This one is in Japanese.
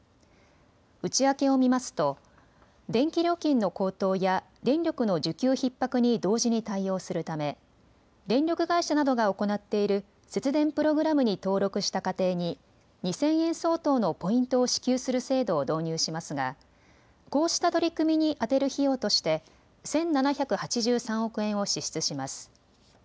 内訳を見ますと電気料金の高騰や電力の需給ひっ迫に同時に対応するため電力会社などが行っている節電プログラムに登録した家庭に２０００円相当のポイントを支給する制度を導入しますがこうした取り組みに充てる費用として１７８３億円を支出します。